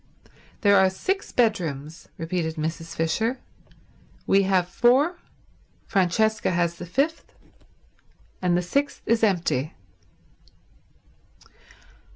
"There are six bedrooms," repeated Mrs. Fisher. "We have four, Francesca has the fifth, and the sixth is empty."